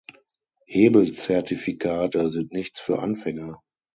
Hebelzertifikate sind nichts für Anfänger.